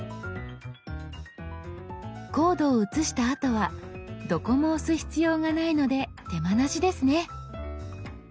コードを写したあとはどこも押す必要がないので手間なしですね。